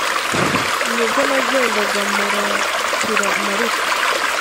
ni bwo nagendaga muratira marita,